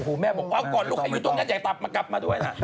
หิดทั้งห้องเลยอะ